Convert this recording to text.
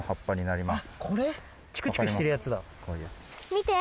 チクチクしてるやつだ。